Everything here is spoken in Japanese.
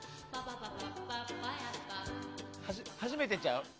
初めてちゃう？